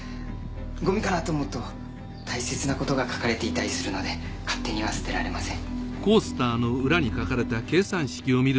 ゴミかなと思うと大切なことが書かれていたりするので勝手には捨てられません。